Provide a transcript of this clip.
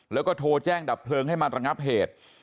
แล้วก็โทรแจ้งดับเพลิงให้มาระงับเหตุ